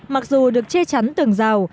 mặc dù được che chắn từng rào